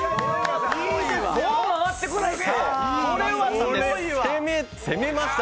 もう回ってこないでしょ。